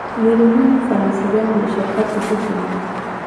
میلیونونو فرانسویانو د شرکت وجود ومانه.